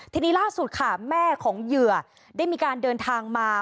ทีนี้ล่าสุดค่ะแม่ของเหยื่อได้มีการเดินทางมา